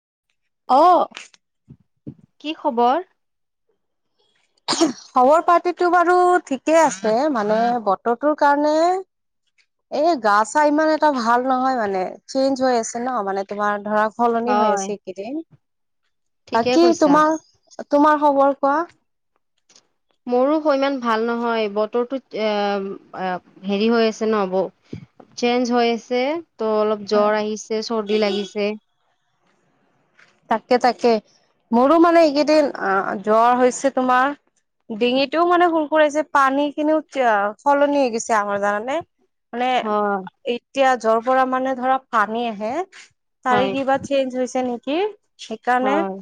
অঁ। কি খবৰ? খবৰ পাতিটো বাৰু ঠিকে আছে মানে বতৰটোৰ কাৰণে এ' গা - চা ইমান এটা ভাল নহয় মানে চেঞ্জ হৈ আছে ন মানে তোমাৰ ধৰা সলনি হৈ আছে হয় এইকেইদিন। ঠিকে বাকী কৈছা। তোমাৰ? তোমাৰ খবৰ কোৱা মোৰো ইমান ভাল নহয়, বতৰটো এ হেৰি হৈ আছে ন, বৌ চেঞ্জ হৈ আছে তো অলপ জ্বৰ আহিছে, চৰ্দি লাগিছে। তাকে, তাকে মোৰো মানে এইকেইদিন আ, জ্বৰ হৈছে তোমাৰ, ডিঙিটোও মানে সুৰসুৰাইছে, পানীখিনিও জ, সলনি হৈ গৈছে আমাৰ জানানে? মানে হয় এতিয়া য'ৰ পৰা মানে ধৰা পানী আহে তাৰে হয় কিবা চেঞ্জ হৈছে নে কি? সেইকাৰণে হয়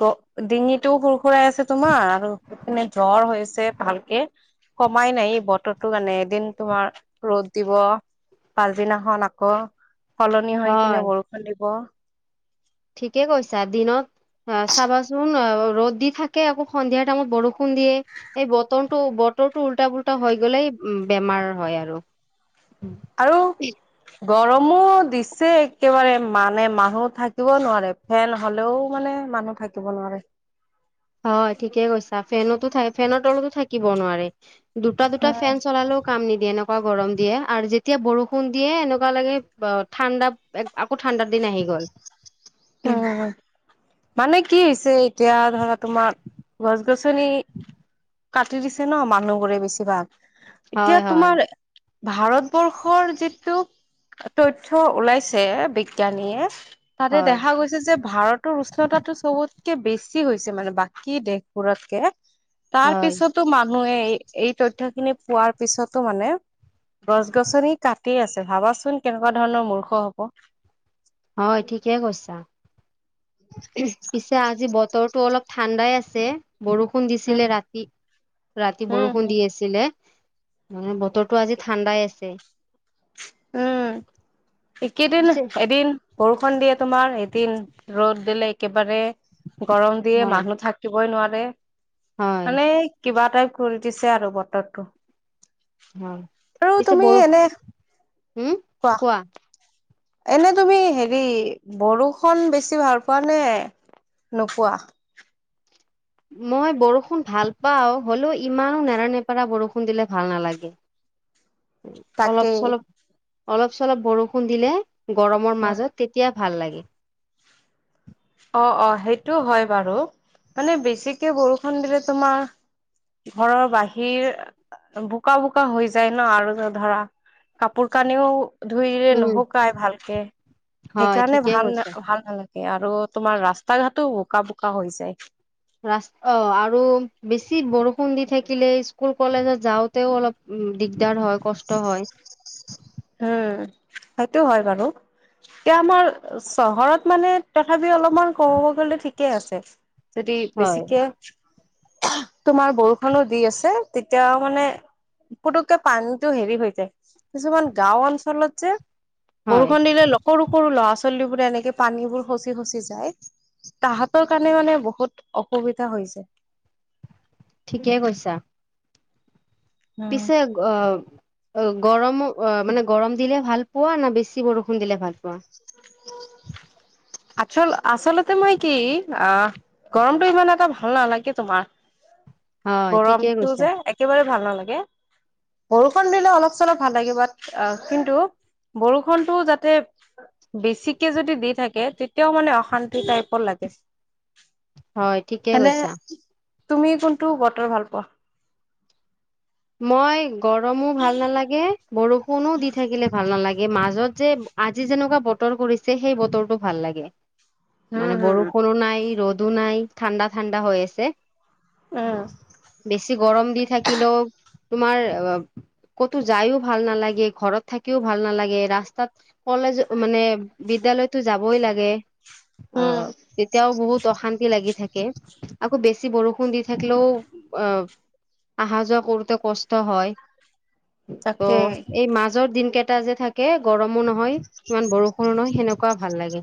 ক, ডিঙিটো সুৰ সুৰাই আছে তোমাৰ, আৰু সিপিনে জ্বৰ হৈছে ভালকে, কমাই নাই। এই বতৰটো কাৰণে এদিন তোমাৰ ৰ'দ দিব পাছদিনাখন আকৌ সলনি হৈ কিনে বৰষুণ দিব। ঠিকেই কৈছা, দিনত অ, চাবাচোন আ, ৰ'দ দি থাকে আকৌ সন্ধিয়া টাইমত বৰষুণ দিয়ে। এই বতৰটো, বতৰটো উল্টা পোল্টা হৈ গ'লেই বেমাৰ হয় আৰু। আৰু [inaudible] গৰমো দিছে একেবাৰে মানে মানুহ থাকিব নোৱাৰে, ফেন হলেও মানে মানুহ থাকিব নোৱাৰে। হয়, ঠিকে কৈছা। ফেনতো থাক, ফেনৰ তলতো থাকিব নোৱাৰে। দুটা, দুটা ফেন উম চলালেও কাম নিদ এনেকুৱা গৰম দিয়ে আৰু যেতিয়া বৰষুণ দিয়ে এনেকুৱা লাগে ব, ঠাণ্ডা এক, আকৌ ঠাণ্ডাৰ দিন আহি গ'ল। উম, অঁ, অঁ মানে কি হৈছে এতিয়া ধৰা তোমাৰ গছ-গছনি কাটি দিছে ন' মানুহবোৰে বেছিভাগ এতিয়া হয় হয় তোমাৰ ভাৰতবৰ্ষৰ যিটো তথ্য ওলাইছে, বিজ্ঞানীয়ে হয় দেখা গৈছে যে ভাৰতৰ উষ্ণতাটো চবত কে বেছি হৈছে মানে, বাকী দেশবোৰতকে তাৰ হয় পিছতো মান মানুহে এ এই তথ্য খিনি পোৱাৰ পিছতো মানে, গছ গছনি কাটিয়ে আছে ভাবাচোন কেনেকুৱা ধৰণৰ মূৰ্খ হ'ব। হয়, ঠিকে কৈছা। [unintelligible] পিছে আজি বত তৰটো অলপ ঠাণ্ডাই আছে। বৰষুণ উম দিছিলে ৰাতি, ৰাতি হুম বৰষুণ হুম দি আছিলে। মানে বতৰটো আজি ঠাণ্ডাই আছে। উম', এই কেইদিন, পিছে এদিন বৰষুণ দিয়াত তোমাৰ এদিন ৰ'দ দিলে একেবাৰে- গৰম দিয়ে হয় মানুহ থাকিবই নোৱাৰে [unintelligible] হয় মানে, কিবা তাই কৰি দিছে আৰু বতৰটো। অ' আৰু পিছে তুমি বৰ এনে উম, কোৱা। এনে তুমি হেৰি বৰষুণ বেছি ভাল পোৱা নে নপোৱা? মই বৰষুণ ভাল পাওঁ হ'লেও ইমানো নেৰানেপেৰা বৰষুণ দিলে ভাল নালাগে। অলপ তাকেই চলপ অলপ চলপ বৰষুণ দিলে গৰমৰ মাজত, তেতিয়া ভাল লাগে। অ অ সেইটো হয় বাৰু মানে বেছিকে বৰষুণ দিলে তোমাৰ ঘৰৰ বাহিৰ বোকা বোকা হৈ যায় ন, আৰু ধৰা কাপোৰ কানিও ধুইৰে উম নুশুকাই ভালকে হয় সেইকাৰণে ঠিকে ভাল ন কৈছা। ভাল নালাগে। এ আৰু তোমাৰ ৰাস্তা ঘাটো বোকা বোকা হৈ যায়। ৰাচ অ' আৰু বেছি বৰষুণ দি থাকিলে স্কুল কলেজত যাওঁতেও অলপ দিগদাৰ হয়, কষ্ট হয়। উম সেইটো হয় বাৰু, এতিয়া আমাৰ চহৰত মানে তথাপি অলপ তমাৰ কব গ'লে ঠিক ঠিকে আছে। যদি হয় বেছিকে তোমাৰ বৰষুনো দি আছে তেতিয়া মানে পুতুককে পানীটো হেৰি হৈ যায়। কিছুমান গাঁও অঞ্চলত যে হয় বৰষুণ দিলে সৰু সৰু ল'ৰা ছোৱালী বো এনেকে পানীবোৰ সচি সচি যায়, তাহাঁতৰ কাৰণে মানে বহুত অসুবিধা হৈ যায়। ঠিকে কৈছা। উম। পিছে অ গৰম অ মানে গৰম দিলে ভাল পোৱা না বেছি বৰষুণ দিলে ভাল পোৱা? আচল আচলতে মই কি আহ গৰমটো ইমান এটা ভাল নালাগে তোমাৰ। হয় ঠিকে গৰমটো কৈছা যে একেবাৰে ভাল নালাগে। বৰষুণ দিলে অলপ চলপ ভাল লাগে, বাট আহ কিন্তু বৰষুণতটো যাতে বেছিকে যদি দি থাকে তেতিয়াও মানে অশান্তি টাইপৰ লাগে। হয় ঠিকে এনে কৈছা। তুমি কোনটো বতৰ ভাল পোৱা? মই গৰমো ভাল নালাগে বৰষুণো দি থাকিলে ভাল নালাগে। মাজত যে আজি যেনেকুৱা বতৰ কৰিছে সেই বতৰটো ভাল লাগে। উম মানে হুম বৰষুণো নাই ৰ'দ দু নাই ঠাণ্ডা ঠাণ্ডা হৈ আছে। উম বেছি গৰম দি থাকিলেও তোমাৰ ক'তো যায়ও ভাল নালাগে, ঘৰত থাকিও ভাল নালাগে, ৰাস্তাত কলেজ মানে বিদ্যালয়তো যাবই লাগে। উম অ', তেতিয়াও বহুত অশান্তি লাগি থাক কে আকৌ বেছি বৰষুণ দি থাকিলেও, অ', আহা যোৱা কৰো তে কষ্ট হয়। তাকে ত' এই মাজৰ দিন কেইটা যে থাকে গৰমো নহয় ইমান বৰষুণো নহয়, সেনেকুৱা ভাল লাগে।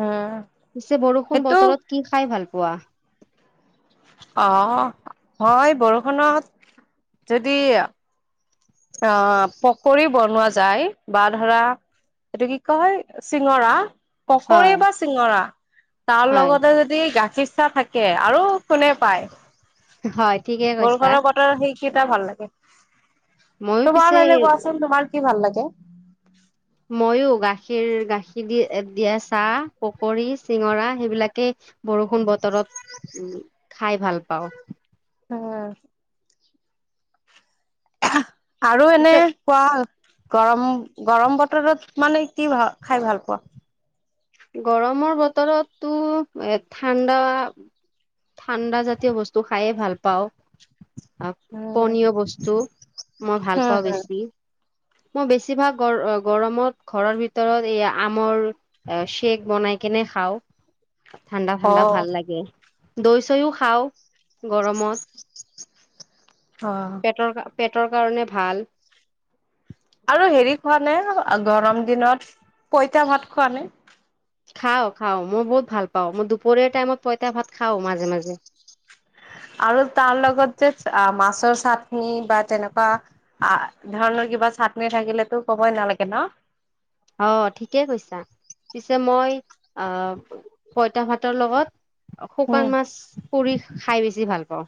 উম পিছে বৰষুণ সেইটো বতৰত কি খাই ভাল ৱাহ। অ', হয় বৰষুণত যদি অ', পকৰি বনোৱা যায়, বা ধৰা এইটো কি কয় হয় চিঙৰা পকৰি হয় বা চিঙৰা। তাৰ হয় লগতে যদি গাখীৰ চা থাকে, আৰু কোনে পায়। হয় ঠিকে কৈছা বৰষুণৰ বতৰত সেইকেইটা ভাল লাগে। ময়ো তোমাৰ পিছে এনে কোৱাচোন তোমাৰ কি ভাল লাগে? [inaudible] মইও গাখীৰ গাখীৰ দি-দিয়া চাহ, পকৰী, চিঙৰা সেইবিলাকে বৰষুণ বতৰত উম, খাই ভাল পাওঁ। অ'। [inaudible] আৰু এনে পিছে কোৱা গৰম গৰম বতৰত মানে কি ভা খাই ভাল পোৱা? গৰমৰ বতৰতো এ ঠাণ্ডা, ঠাণ্ডা জাতীয় বস্তু খাইয়ে ভাল পাওঁ। আৰু উম। উম, পনীয় বস্তু মই ভাল পাওঁ উম, বেছি। মই বেছিভাগ গৰ-গৰমত ঘৰৰ ভিতৰত এই আমৰ এ শ্বেক বনাই কেনে খাওঁ। ঠাণ্ডা, ঠাণ্ডা ভাল অ', লাগে। দৈ, চৈও খাওঁ। গৰমত অ'। পেটৰ কা পেট। কাৰ কাৰণে ভাল। আৰু হেৰি খোৱা নে গৰম দিনত পইতা ভাত খোৱা নে? খাও খাও মই বহুত ভাল পাও মই দুপৰীয়া টাইমত পইতা ভাত খাও মাজে- মাজে। আৰু তাৰ লগত যে আ - মাছৰ চাটনি বা তেনেকুৱা ধৰণৰ কিবা চাটনি থাকিলেতো কবই নালাগে নহ। অ' ঠিকে কৈছা পিছে মই আ' পইতা ভাতৰ লগত উম। শুকান মাছ পুৰি খাই বেছি ভাল পাওঁ।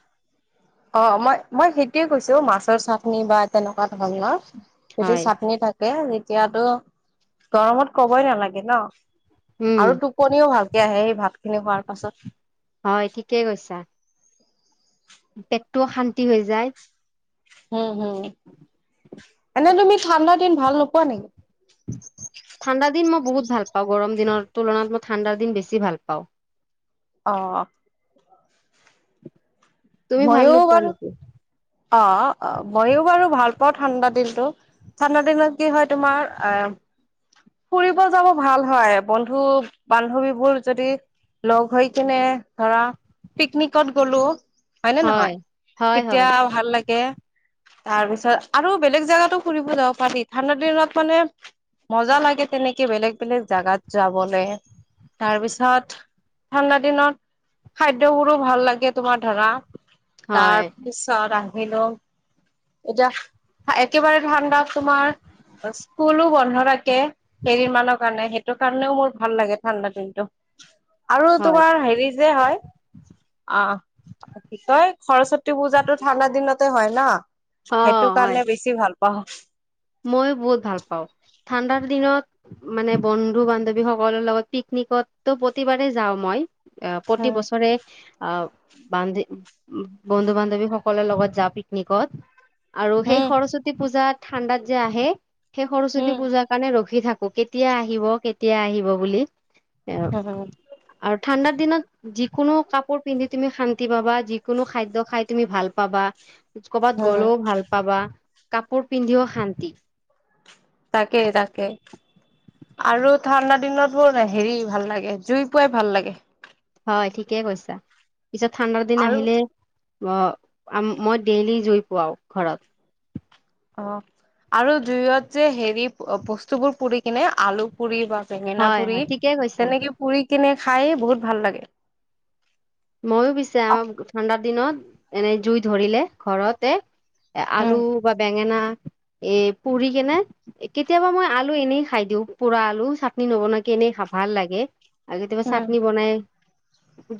অ' মই- মই সেইটোয়ে কৈছো মাছৰ চাটনি বা তেনেকুৱা। ধৰণৰ যদি হয় চাটনি থাকে যেতিয়াতো গৰমত কবই নালাগে নহ। উম আৰু টোপনিও ভালকে আহে সেই ভাত খিনি খোৱাৰ পাছত। হয় ঠিকেই কৈছা পেটটোও শান্তি হৈ যায়। উম। হম এনে তুমি। ঠাণ্ডা দিন ভাল নোপোৱা নেকি? ঠাণ্ডা দিন মই বহুত ভাল পাওঁ গৰম দিনৰ তুলনাত মই ঠাণ্ডাৰ দিন বেছি ভাল পাওঁ। অ। তুমি ভাল মইয়ো নোপোৱা বাৰু নেকি অ অ মইয়ো বাৰু ভাল। পাওঁ ঠাণ্ডা দিনটো ঠাণ্ডা দিনত কি হয় তোমাৰ আহ ফুৰিব যাব ভাল হয়, বন্ধু বান্ধৱীবোৰ যদি লগ হৈ কিনে ধৰা পিকনিকত গলো। হয়নে হয় নহয় হয় তেতিয়া হয় ভাল লাগে। তাৰ পিছত আৰু বেলেগ জাগাতো ফুৰিব যাব পাৰি ঠাণ্ডা দিনত মানে মজা লাগে তেনেকে বেলেগ বেলেগ জাগাত যাবলে তাৰপিছত ঠাণ্ডা দিনত খাদ্যবোৰো ভাল লাগে তোমাৰ ধৰা। হয় তাৰপিছত আহ। [unintelligible] এতিয়া একেবাৰে ঠাণ্ডা তোমাৰ স্কুলো বন্ধ ৰাখ। কে কেইদিনমানৰ কাৰনে। সেইতু কাৰণেও মোৰ ভাল লাগে ঠাণ্ডা দিনটো। আৰু হয় তোমাৰ হেৰি যে হয় অ তই সৰস্বতী পূজাটো ঠাণ্ডা দিনতে হয় নাহ। সেইটো কাৰণে বেছি ভাল। পাওঁ মইয়ো বহুত ভাল পাওঁ ঠাণ্ডাৰ দিনত মানে বন্ধু বান্ধৱী সকলৰ লগত পিকনিকতো প্ৰতিবাৰেই যাওঁ মই। আহ প্ৰতি বছৰে আহ। বান্ধী, বন্ধু বান্ধৱী সকলৰ লগত যা পিকনিকত। আৰু সেই উম সৰস্বতী পূজাত ঠাণ্ডাত যে আহে সেই সৰস্বতী উম, পূজাৰ কাৰণে ৰখি ৰখি থাকো, কেতিয়া আহিব কেতিয়া আহিব বুলি। এ উম, আৰু ঠাণ্ডাৰ দিনত যিকোনো কাপোৰ পিন্ধি তুমি শান্তি পাবা, যিকোনো খাদ্য খাই তুমি ভাল পাবা ক'বাত উম, গ'লেও ভাল পাবা কাপোৰ পিন্ধিও শান্তি তাকেই তাকেই, আৰু ঠাণ্ডা দিনত মোৰ হেৰি ভাল লাগে, জুই পুৱাই ভাল লাগে। হয় ঠিকে কৈছা। পিছত ঠাণ্ডাৰ দিন আৰু আহিলে অ' মই ডেইলী জুই পুৱাও, ঘৰত। অ' আৰু জুইত যে হেৰি বস্তুবোৰ পুৰি কেনে, আলু পুৰি, বা বেঙেনা হয় পুৰি, হয় ঠিকেই কৈছা তেনেকে পুৰি কিনে খাই বহুত ভাল লাগে। ময়ো পিছে আমাৰ ঠাণ্ডাৰ দিনত এনে জুই ধৰিলে ঘৰতে আলু উম, বা বেঙেনা এ পুৰি কেনে, কেতিয়াবা মই আলু এনেই খাই দিওঁ, পুৰা আলু, চাটনি নবনাকে এনেই খাও ভাল লাগে। আজি কিবা উম, চাটনি বনায়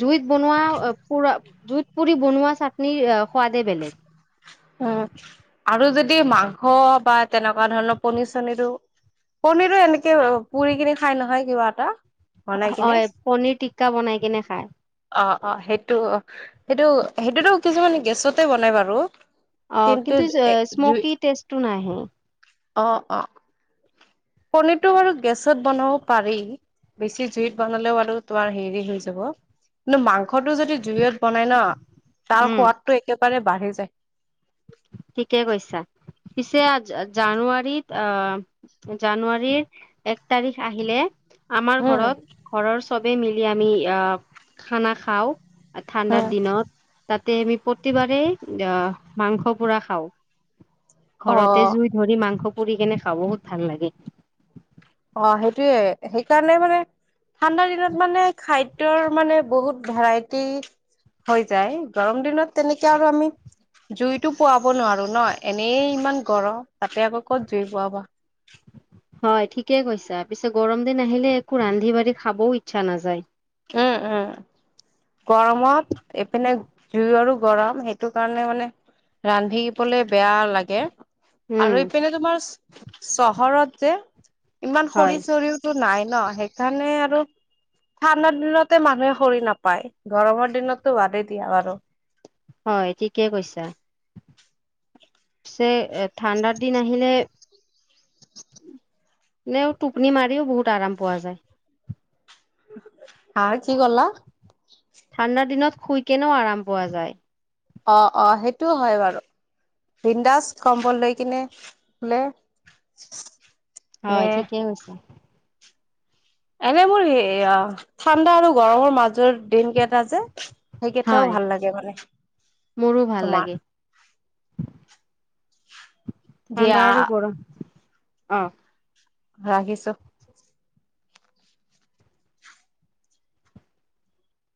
জুইত বনোৱা পুৰা জুত পুৰি বনোৱা চাটনিৰ সোৱাদে বেলেগ। উ, আৰু যদি যদি মাংস বা তেনেকুৱা ধৰণৰ পনিৰ চনীৰো, পনিৰো এনেকে পুৰি কিনি খাই নহয় কিবা এটা। বনাই কিনে হয়, পনীৰ টিক্কা বনাই কিনে খাই। অ', অ' সেইটো সেইটোতো কিছুমানে গেছতে বনাই বাৰু। অ' কিন্তু, এ জুই স্মকি টেষ্টটো নাহে। অ', অ' পনিৰতটো বাৰু গেছত বনাব পাৰি, বেছি জুইত বনালেও বাৰু তোমাৰ হেৰি হৈ যাব, কিন্তু মাংসটো যদি জুইত বনাই ন তাৰ উম সোৱাদতটো একে বাৰে বাঢ়ি যায়। ঠিকে কৈছা, পিছে জানুৱাৰীত এক তাৰিখ আহিলে আমাৰ উম ঘৰত, ঘৰৰ চবেই মিলি আমি খানা খাওঁ। আৰু ঠাণ্ডাৰ উম দিনত তাতে আমি প্ৰতিবাৰেই অ' মাংস পোৰা খাওঁ। অ ঘৰতে জুই ধৰি মাংস পুৰি কিনে খাওঁ, বহুত ভাল লাগে। অ' সেইটোয়ে সেইকাৰণে মানে ঠাণ্ডা দিনত মানে খাদ্যৰ মানে বহুত ভেৰাইটি হৈ যায়, গৰম দিনত তেনেকে আৰু আমি জুইতটো পুৱাব নোৱাৰো ন, এনেই ইমান গৰম তাতে আকৌ ক'ত জুই পুৱাবা? হয় ঠিকে কৈছা, পিছে গৰম দিন আহিলে একো ৰান্ধি বাঢ়ি খাবও ইচ্ছা নাযায়। উম, উম, গৰমত এইপিনে জুই আৰু গৰম, সেইটো কাৰণে মানে ৰান্ধিবলে বেয়া লাগে। আৰু উম এইপিনে তোমাৰ চহৰত যে ইমান খৰি হয় চৰিওতো নাই। ন, সেইকাৰণে আৰু ঠাণ্ডাৰ দিনতে মানুহে খৰি নাপায়, গৰমৰ দিনতো বাদেই দিয়া বাৰু। হয়, ঠিকেই কৈছা, পিছে ঠাণ্ডাৰ দিন আহিলে নেও টোপনি মাৰিও বহুত আৰাম পোৱা যায়। হা কি ক'লা? ঠাণ্ডাৰ দিনত শুই কেনেও আৰাম পোৱা যায়। অ', অ', সেইটো হয়, বাৰু, বিন্দাছ কম্বল লৈ কিনে শুলে হয়, নে ঠিকেই কৈছা। এনে মোৰ এইয়া ঠাণ্ডা আৰু গৰমৰ মাজৰ দিন কেইটা যে সেইকেইটাও হয় ভাল লাগে মানে, মোৰো ভাল লাগে তোমাৰ ঠাণ্ডা দিয়া আৰু গৰম অ' ৰাখিছোঁ।